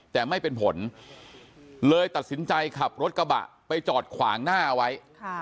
แต่ไม่เป็นผลเลยตัดสินใจขับรถกระบะไปจอดขวางหน้าไว้